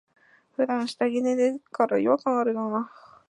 ふだん下着で寝てっから、違和感あるな。